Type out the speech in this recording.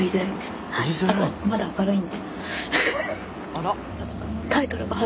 あら？